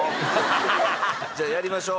じゃあやりましょう。